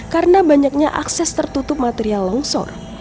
karena banyaknya akses tertutup material longsor